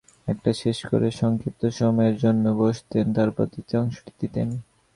একটা শেষ করে সংক্ষিপ্ত সময়ের জন্য বসতেন, তারপর দ্বিতীয় অংশটি দিতেন।